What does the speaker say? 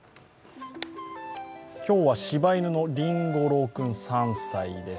今日は柴犬のりんご郎君３歳です